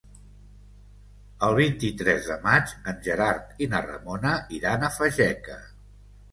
El vint-i-tres de maig en Gerard i na Ramona iran a Fageca.